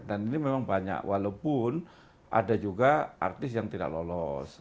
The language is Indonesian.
dan ini memang banyak walaupun ada juga artis yang tidak lolos